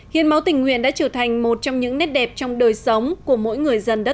hiến máu tình nguyện đã trở thành một trong những nét đẹp trong đời sống